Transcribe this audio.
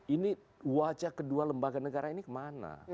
ini wajah kedua lembaga negara ini kemana